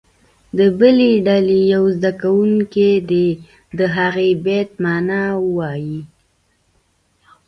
د بلې ډلې یو زده کوونکی دې د هغه بیت معنا ووایي.